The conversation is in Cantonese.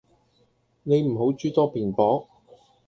你唔好諸多辯駁?